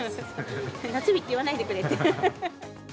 夏日って言わないでくれって。